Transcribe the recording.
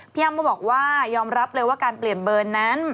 อ้ำก็บอกว่ายอมรับเลยว่าการเปลี่ยนเบอร์นั้น